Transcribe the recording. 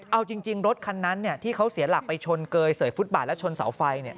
เอาจริงรถคันนั้นที่เขาเสียหลักไปชนเกยเสยฟุตบาทและชนเสาไฟ